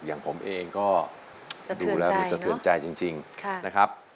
อย่างผมเองก็ดูแล้วดูสะเทือนใจจริงนะครับ